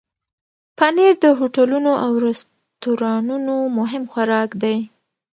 پنېر د هوټلونو او رستورانونو مهم خوراک دی.